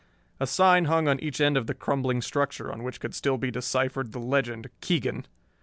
A sign hung on each end of the crumbling structure on which could still be deciphered the legend "KEEGAN."